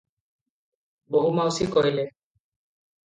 ବୋହୂମାଉସୀ କହିଲେ --